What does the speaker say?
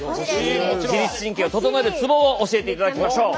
自律神経を整えるツボを教えていただきましょう。